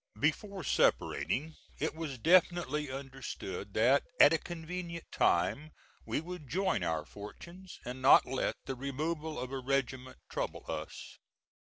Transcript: Before separating it was definitely understood that at a convenient time we would join our fortunes, and not let the removal of a regiment trouble us.